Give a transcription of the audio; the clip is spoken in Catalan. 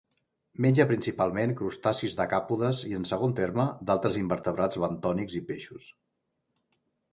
Menja principalment crustacis decàpodes i, en segon terme, d'altres invertebrats bentònics i peixos.